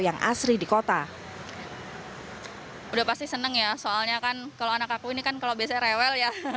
yang asri di kota udah pasti senang ya soalnya kan kalau anak aku ini kan kalau biasanya rewel ya